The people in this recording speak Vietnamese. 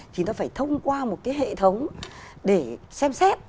thì nó phải thông qua một cái hệ thống để xem xét